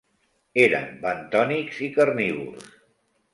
Eren bentònics i carnívors.